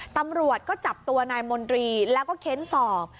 ตำรวจก็จับตัวนายมนตรีแล้วก็เค้นสอบ